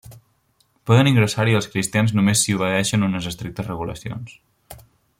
Poden ingressar-hi els cristians només si obeeixen unes estrictes regulacions.